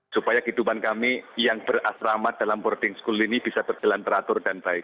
supaya kehidupan kami yang berasrama dalam boarding school ini bisa berjalan teratur dan baik